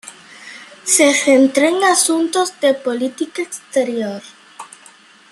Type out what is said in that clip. Se centró en asuntos de política exterior.